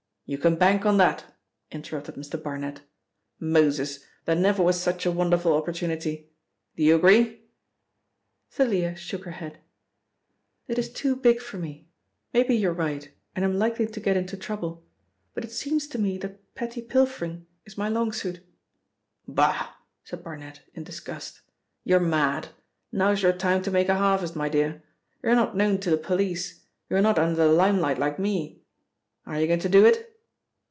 "You can bank on that," interrupted Mr. Barnet. "Moses! There never was such a wonderful opportunity! Do you agree?" Thalia shook her head. "It is too big for me. Maybe you're right and I'm likely to get into trouble, but it seems to me that petty pilfering is my long suit." "Bah!" said Barnet in disgust. "You're mad! Now's your time to make a harvest, my dear. You're not known to the police. You're not under the limelight like me. Are you going to do it?"